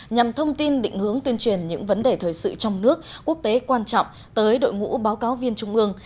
nhằm thông tin định hướng tuyên truyền những vấn đề thời sự trong nước quốc tế quan trọng tới đội ngũ báo cáo viên trung ương